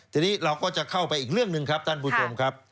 ทีนี้เราก็จะเข้าไปอีกเรื่องหนึ่งครับท่านผู้ชมครับ